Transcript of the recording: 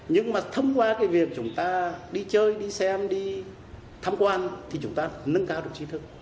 nhưng mà thông qua cái việc chúng ta đi chơi đi xem đi tham quan thì chúng ta nâng cao được trí thức